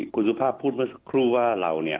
คุณสุภาพพูดเมื่อสักครู่ว่าเราเนี่ย